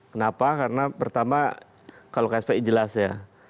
kenapa karena pertama kalau kspi jelas ya